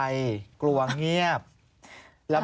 มีความรู้สึกว่ามีความรู้สึกว่า